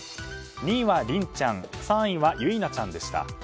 ２位は凛ちゃん３位は結菜ちゃんでした。